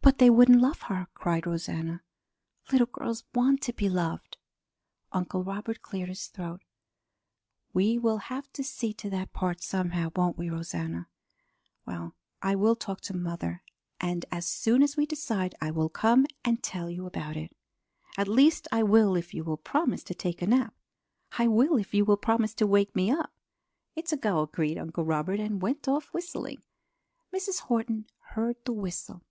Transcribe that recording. "But they wouldn't love her!" cried Rosanna. "Little girls want to be loved." Uncle Robert cleared his throat. "We will have to see to that part somehow, won't we, Rosanna? Well, I will talk to mother, and as soon as we decide I will come and tell you about it. At least I will if you will promise to take a nap." "I will if you will promise to wake me up." "It's a go!" agreed Uncle Robert, and went off whistling. Mrs. Horton heard the whistle.